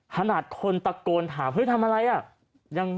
ขนาดคนตะโกนถามเฮ้ยทำอะไรอ่ะ